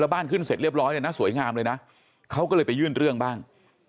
บ้านขึ้นเสร็จเรียบร้อยเลยนะสวยงามเลยนะเขาก็เลยไปยื่นเรื่องบ้าง